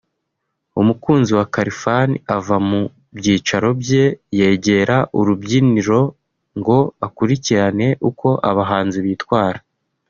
umukunzi wa Khalifan ava mu byicaro bye yegera urubyiniro ngo akurikirane uko abahanzi bitwara